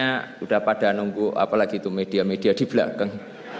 sudah pada nunggu apalagi itu media media di belakang